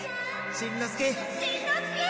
しんのすけ！